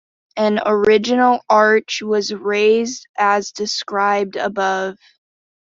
An original arch was raised as described above.